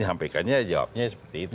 sampai kaya jawabnya seperti itu